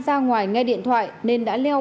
ra ngoài nghe điện thoại nên đã leo